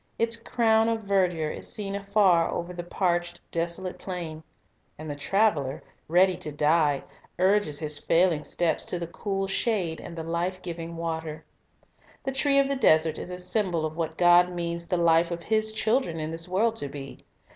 Its crown of verdure is seen afar over the parched, desolate plain ; and the traveler, ready to die, urges his failing steps to the cool shade and the life giving water. The tree of the desert is a symbol of what God means the life of His children in this world to be.